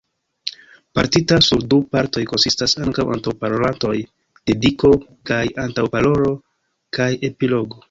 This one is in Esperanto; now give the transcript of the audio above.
Partita sur du partoj konsistas ankaŭ antaŭparolantaj dediko kaj antaŭparolo, kaj epilogo.